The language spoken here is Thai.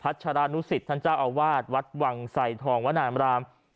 ัชรานุสิตท่านเจ้าอาวาสวัดวังไสทองวนามราม